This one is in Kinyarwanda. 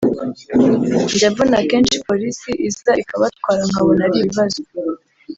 njya mbona kenshi polisi iza ikabatwara nkabona ari ibibazo